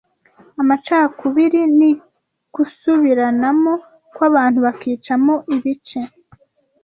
Amacakubiri ni Gusubiranamo kw’abantu bakicamo ibice